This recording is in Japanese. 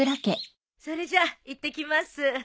それじゃあいってきます。